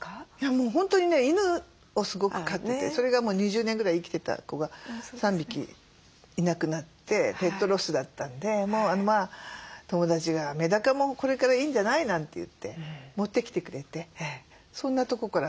もう本当にね犬をすごく飼っててそれがもう２０年ぐらい生きてた子が３匹いなくなってペットロスだったんで友達が「メダカもこれからいいんじゃない？」なんて言って持ってきてくれてそんなとこから始まって。